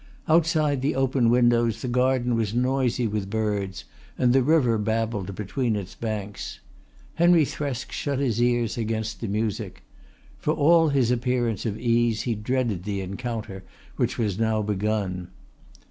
Outside the open windows the garden was noisy with birds and the river babbled between its banks. Henry Thresk shut his ears against the music. For all his appearance of ease he dreaded the encounter which was now begun.